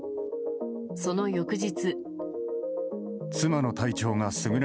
その翌日。